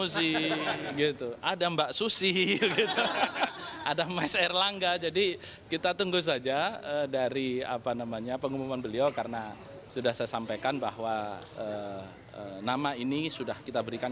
jelang penutupan pendaftaran